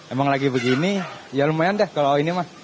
emang lagi begini ya lumayan deh kalau ini mas